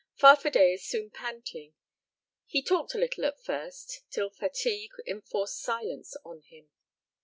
Farfadet is soon panting. He talked a little at first, till fatigue enforced silence on him.